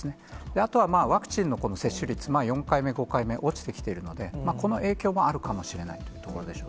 あとはワクチンの接種率、４回目、５回目、落ちてきているので、この影響もあるかもしれないというところでしょう。